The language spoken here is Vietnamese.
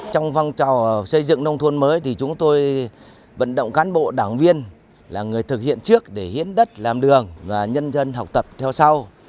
trong phong trào xây dựng nông thôn mới thì chúng tôi vận động cán bộ đảng viên là người thực hiện trước để hiến đất làm đường và nhân dân học tập theo sau